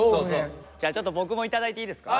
じゃあちょっと僕も頂いていいですか？